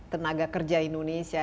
tenaga kerja indonesia